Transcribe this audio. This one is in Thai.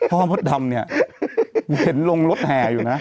มดดำเนี่ยเห็นลงรถแห่อยู่นะ